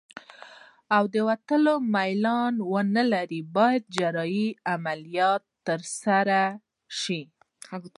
او د وتلو میلان ونلري باید جراحي عملیه ترسره شي.